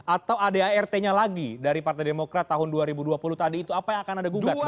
atau adart nya lagi dari partai demokrat tahun dua ribu dua puluh tadi itu apa yang akan anda gugat